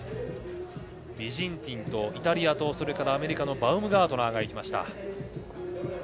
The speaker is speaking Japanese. ビジンティン、イタリアとアメリカのバウムガートナーがいきました。